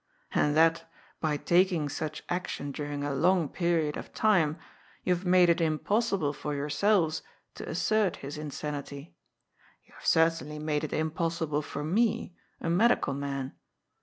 And that, by taking such action during a long period of time, you have made it impossible for yourselves to assert his insanity. You have certainly made it impossible for me, a medical man.